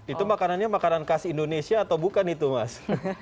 itu makanannya makanan khas indonesia atau bukan itu mas